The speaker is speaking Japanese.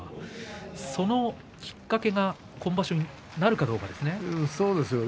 そのきっかけが本場所になるかどうかですね。